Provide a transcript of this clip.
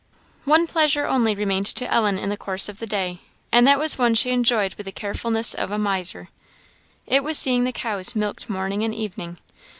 One pleasure only remained to Ellen in the course of the day, and that one she enjoyed with the carefulness of a miser. It was seeing the cows milked morning and evening.